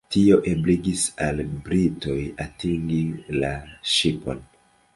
Tio ebligis al britoj atingi la ŝipon.